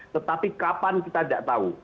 tetapi kapan kita tidak tahu